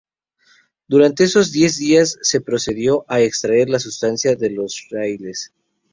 Durante esos diez días se procedió a extraer la sustancia de los raíles.